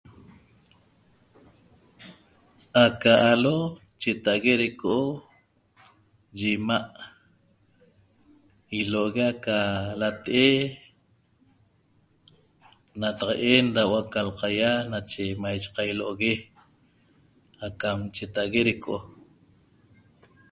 Aca alo cheta'ague deco'o yi 'ima' ilo'ogue aca late'e nataq'en da huo'o aca l'qaýa nache maiche qailo'ogue acam cheta'ague deco'o